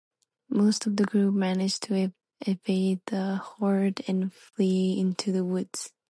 Most of the group manages to evade the horde and flee into the woods.